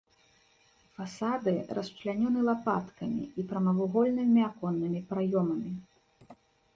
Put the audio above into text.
Фасады расчлянёны лапаткамі і прамавугольнымі аконнымі праёмамі.